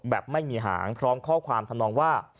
แบบไม่มีหางพร้อมข้อความทำนองว่า